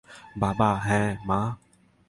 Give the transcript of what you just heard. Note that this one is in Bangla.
বাবা - হ্যাঁ, মা?